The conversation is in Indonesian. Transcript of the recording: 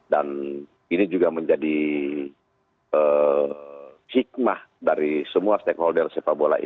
dan ini juga menjadi hikmah dari semua stakeholder sepabrikasi